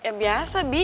ini biasa bi